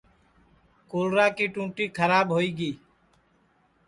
کولرا کی ٹونٚٹی کھراب ہوئی گی